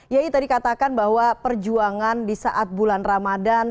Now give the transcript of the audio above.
yayi tadi katakan bahwa perjuangan di saat bulan ramadhan